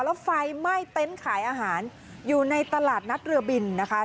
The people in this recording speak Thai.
แล้วไฟไหม้เต็นต์ขายอาหารอยู่ในตลาดนัดเรือบินนะคะ